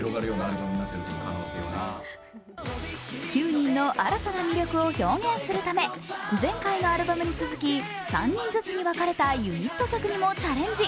９人の新たな魅力を表現するため前回のアルバムに続き３人ずつに分かれたユニット曲にもチャレンジ。